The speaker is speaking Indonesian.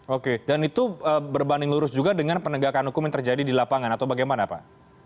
oke dan itu berbanding lurus juga dengan penegakan hukum yang terjadi di lapangan atau bagaimana pak